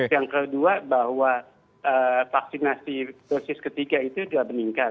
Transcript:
yang kedua bahwa vaksinasi dosis ketiga itu juga meningkat